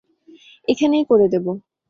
এখানেই করে দেবো।